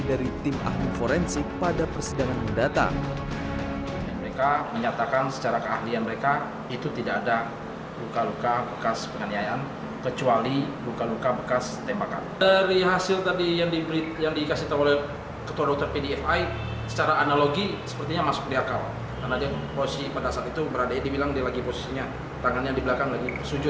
dari tim ahli forensik pada persidangan mendatang